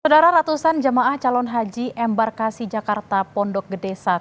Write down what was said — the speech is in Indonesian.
saudara ratusan jemaah calon haji embarkasi jakarta pondok gede satu